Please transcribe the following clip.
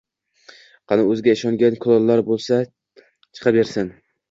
Qani, o‘ziga ishongan kulollar bo‘lsa chiqa bersin